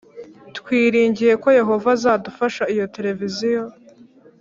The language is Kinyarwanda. Twiringiye ko Yehova azadufasha iyo televiziyo